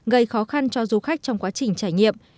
gây khó khăn cho du khách trong quá trình trải nghiệm